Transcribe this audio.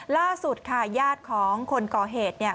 ล่าสุดค่ะญาติของคนก่อเหตุเนี่ย